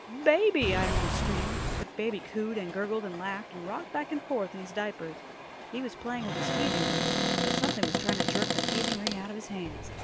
"Baby!" I almost screamed. But baby cooed and gurgled and laughed and rocked back and forth on his diapers. He was playing with his teething ring, but something was trying to jerk the teething ring out of his hands.